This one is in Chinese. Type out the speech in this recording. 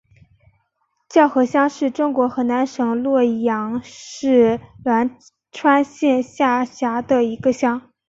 叫河乡是中国河南省洛阳市栾川县下辖的一个乡。